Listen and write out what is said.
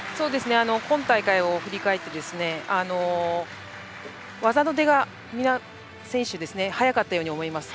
今大会を振り返ってみんな、技の出が速かったように思います。